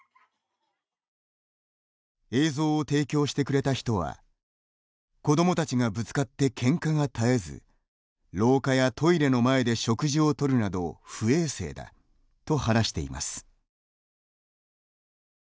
映像を提供してくれた人は「子どもたちがぶつかってけんかが絶えず廊下やトイレの前で食事を取るなど不衛生だ」と話しています。